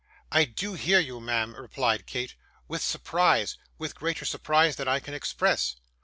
'I do hear you, ma'am,' replied Kate, 'with surprise with greater surprise than I can express.